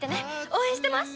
応援してます！